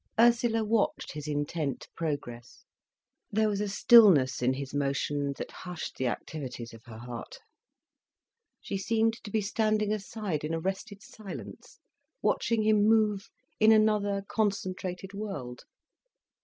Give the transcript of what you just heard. Ursula watched his intent progress. There was a stillness in his motion that hushed the activities of her heart. She seemed to be standing aside in arrested silence, watching him move in another, concentrated world.